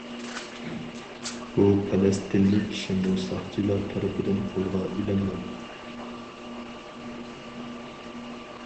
بۇ پەلەستىنلىك كىشىمۇ ساقچىلار تەرىپىدىن قولغا ئېلىنغان.